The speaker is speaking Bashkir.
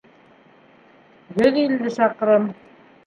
— Йөҙ илле саҡрым.